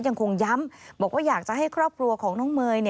ยังคงย้ำบอกว่าอยากจะให้ครอบครัวของน้องเมย์